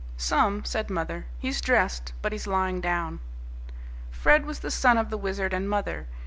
"Some," said mother. "He's dressed, but he's lying down." Fred was the son of the Wizard and mother.